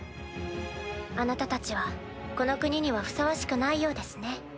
あなたたちはこの国にはふさわしくないようですね。